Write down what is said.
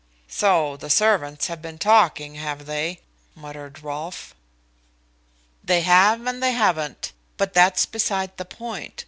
"So the servants have been talking, have they?" muttered Rolfe. "They have and they haven't. But that's beside the point.